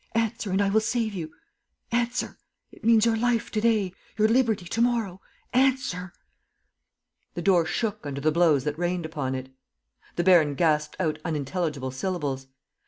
"Answer, and I will save you. ... Answer. ... It means your life to day ... your liberty to morrow. ... Answer! ..." The door shook under the blows that rained upon it. The baron gasped out unintelligible syllables.